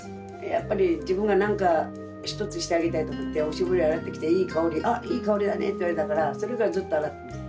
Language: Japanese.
やっぱり自分が何か一つしてあげたいと思っておしぼり洗ってきていい香りあっいい香りだねって言われたからそれからずっと洗ってます。